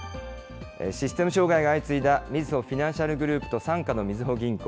システム障害が相次いだみずほフィナンシャルグループと傘下のみずほ銀行。